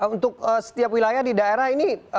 untuk setiap wilayah di daerah ini